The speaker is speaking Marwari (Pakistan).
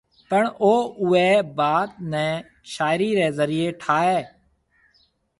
پڻ او اوئي بات نيَ شاعري ري ذريعي ٺائيَ